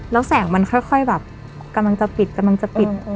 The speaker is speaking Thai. แล้วแสงมันค่อยแบบกำลังจะปิดกำลังจะปิด